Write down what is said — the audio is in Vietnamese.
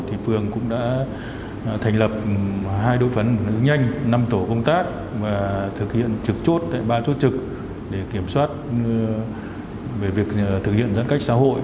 thì phường cũng đã thành lập hai đối phấn đấu nhanh năm tổ công tác và thực hiện trực chốt tại ba chốt trực để kiểm soát về việc thực hiện giãn cách xã hội